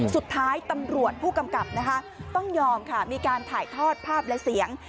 สุดท้ายตำรวจผู้กำกับนะคะต้องยอมค่ะมีการถ่ายทอดภาพและเสียง